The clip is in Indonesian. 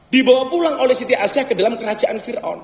dibawa pulang oleh siti asyah ke dalam kerajaan fir aun